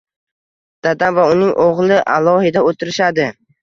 Dadam va uning oʻgʻli alohida oʻtirishadi.